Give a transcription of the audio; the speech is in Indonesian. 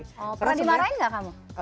pernah dimarahin nggak kamu